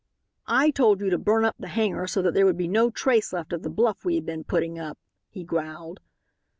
"I told you to burn up the hangar so that there would be no trace left of the bluff we had been putting up," he growled.